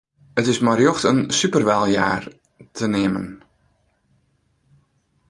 It is mei rjocht in Superwahljahr te neamen.